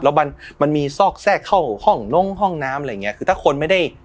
แล้วมันมันมีซอกแทรกเข้าห้องนงห้องน้ำอะไรอย่างเงี้คือถ้าคนไม่ได้